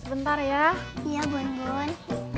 sebentar ya iya bun